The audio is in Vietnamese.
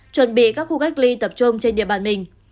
chuẩn bị các khu cách ly tập trung trên địa bàn mình